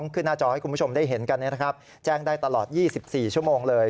หน้าจอให้คุณผู้ชมได้เห็นกันแจ้งได้ตลอด๒๔ชั่วโมงเลย